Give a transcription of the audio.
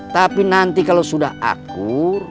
tapi nanti kalau sudah akur